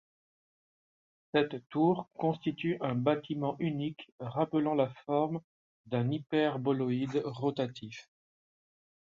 Cette tour constitue un bâtiment unique rappelant la forme d’un hyperboloïde rotatif.